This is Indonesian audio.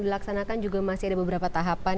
dilaksanakan juga masih ada beberapa tahapan